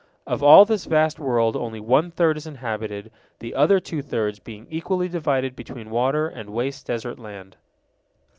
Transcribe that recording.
Of all this vast world only one third is inhabited, the other two thirds being equally divided between water and waste desert land.